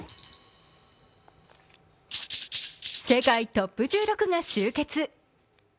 世界トップ１６が集結。